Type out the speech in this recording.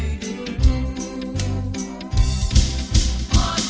diberikannya yang terbaik bagiku